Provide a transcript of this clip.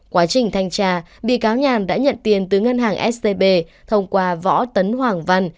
quá trình thanh tra bị cáo nhàn đã nhận tiền từ ngân hàng scb thông qua võ tấn hoàng văn